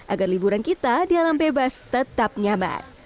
agar liburan kita di alam bebas tetap nyaman